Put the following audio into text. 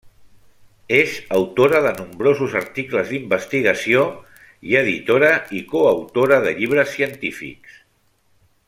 És autora de nombrosos articles d'investigació i editora i coautora de llibres científics.